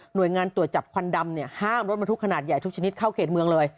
โดยงานตรวจจับควันดำเนี่ยห้ามรถบรรทุกขนาดใหญ่ทุกชนิดเข้าเขตเมืองเลย